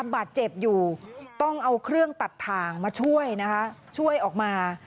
บาดเจ็บอยู่ต้องเอาเครื่องตัดถ่างมาช่วยนะคะช่วยออกมา